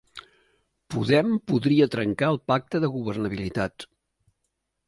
Podem podria trencar el pacte de governabilitat